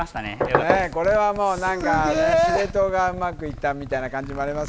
これはもう何か司令塔がすげえっうまくいったみたいな感じもあります